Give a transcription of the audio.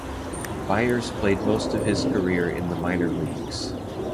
Byers played most of his career in the minor leagues.